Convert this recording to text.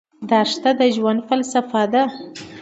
دښته د ژوند فلسفه ده.